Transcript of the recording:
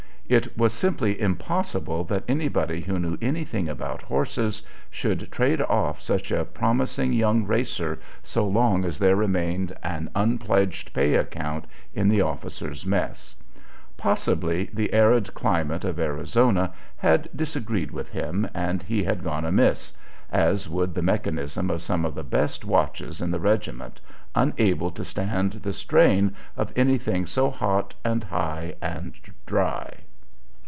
It was simply impossible that anybody who knew anything about horses should trade off such a promising young racer so long as there remained an unpledged pay account in the officers' mess. Possibly the arid climate of Arizona had disagreed with him and he had gone amiss, as would the mechanism of some of the best watches in the regiment, unable to stand the strain of anything so hot and high and dry.